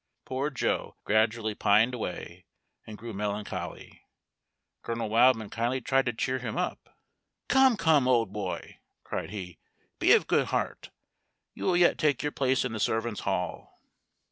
Poor Joe gradually pined away, and grew melancholy. Colonel Wildman kindly tried to cheer him up "Come, come, old boy," cried he, "be of good heart, you will yet take your place in the servants' hall."